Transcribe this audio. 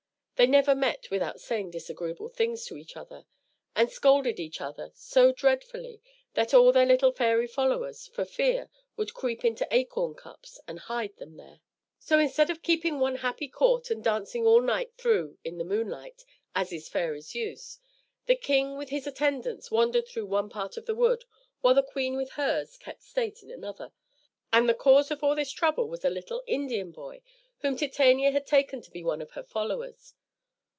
They never met without saying disagreeable things to each other, and scolded each other so dreadfully that all their little fairy followers, for fear, would creep into acorn cups and hide them there. So, instead of keeping one happy court and dancing all night through in the moonlight, as is fairies' use, the king with his attendants wandered through one part of the wood, while the queen with hers kept state in another. And the cause of all this trouble was a little Indian boy whom Titania had taken to be one of her followers.